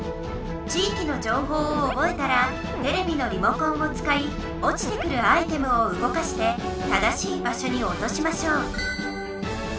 地いきのじょうほうをおぼえたらテレビのリモコンをつかいおちてくるアイテムをうごかして正しい場しょにおとしましょう。